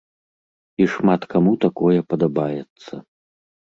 І шмат каму такое падабаецца.